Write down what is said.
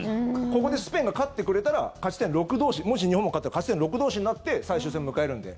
ここでスペインが勝ってくれたら勝ち点６同士もし日本も勝ったら勝ち点６同士になって最終戦を迎えるので。